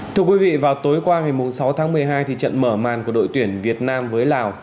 thưa quý vị vào tối qua ngày sáu tháng một mươi hai trận mở màn của đội tuyển việt nam với lào